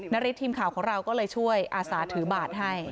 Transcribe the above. นาริสทีมข่าวของเราก็เลยช่วยอาสาถือบาทให้